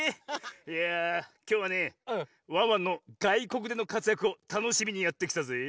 いやきょうはねワンワンのがいこくでのかつやくをたのしみにやってきたぜぇ。